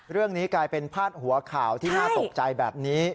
เรื่องนี้กลายเป็นพาดหัวข่าวที่น่าตกใจแบบนี้